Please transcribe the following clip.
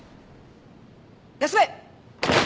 休め！